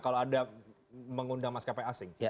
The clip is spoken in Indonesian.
ada mengundang maskapai asing